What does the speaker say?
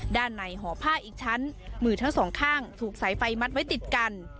ด้านในห่อผ้าอีกชั้นมือทั้งสองข้างถูกสายไฟมัดไว้ติดกัน